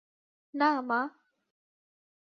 না, মা!